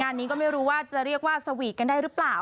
งานนี้ก็ไม่รู้ว่าจะเรียกว่าสวีทกันได้หรือเปล่า